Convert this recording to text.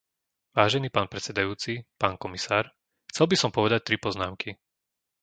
Vážený pán predsedajúci, pán komisár, chcel by som povedať tri poznámky.